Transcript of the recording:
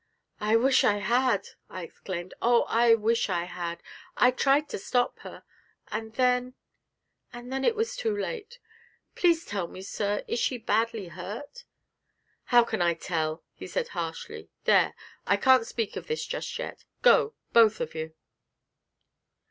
'I wish I had!' I exclaimed; 'oh, I wish I had! I tried to stop her, and then and then it was too late. Please tell me, sir, is she badly hurt?' 'How can I tell?' he said harshly; 'there, I can't speak of this just yet: go, both of you.'